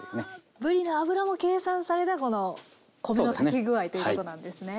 ぶりの脂も計算されたこの米の炊き具合ということなんですね。